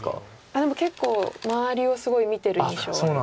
でも結構周りをすごい見てる印象はありますね。